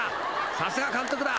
さすが監督だ］